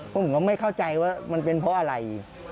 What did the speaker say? ผมก็ไม่เข้าใจว่ามันเป็นเพราะอะไร